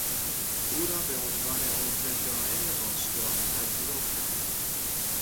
او را به عنوان عضو دایم باشگاه پذیرفتند.